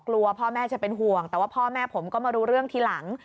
กลัวพ่อแม่จะเป็นห่วงแต่ว่าพ่อแม่ผมก็มารู้เรื่องทีหลัง